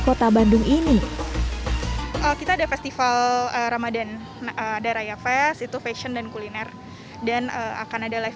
kota bandung ini kita ada festival ramadhan ada raya fest itu fashion dan kuliner dan akan ada live